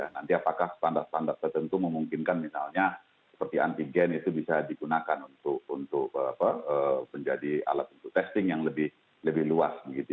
nanti apakah standar standar tertentu memungkinkan misalnya seperti antigen itu bisa digunakan untuk menjadi alat untuk testing yang lebih luas